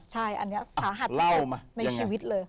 ใช่อันนี้สาหัสที่สุดในชีวิตเลย